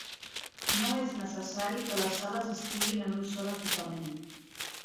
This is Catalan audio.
No és necessari que les sales estiguin en un sol equipament.